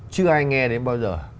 chưa ai nghe đến bao giờ